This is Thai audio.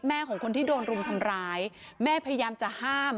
ของคนที่โดนรุมทำร้ายแม่พยายามจะห้าม